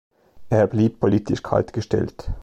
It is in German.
Er blieb politisch kaltgestellt.